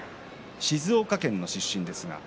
静岡県の出身です。